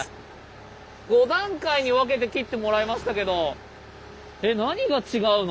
５段階に分けて切ってもらいましたけどえっ何が違うの？